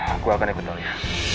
aku akan ikut el ya